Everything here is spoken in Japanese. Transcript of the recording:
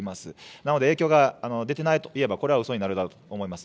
なので、影響が出てないといえば、これはうそになるだろうと思います。